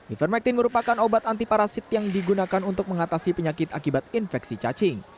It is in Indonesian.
ivermectin merupakan obat antiparasit yang digunakan untuk mengatasi penyakit akibat infeksi cacing